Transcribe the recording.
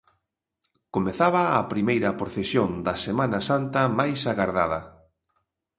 Comezaba a primeira procesión da Semana Santa máis agardada.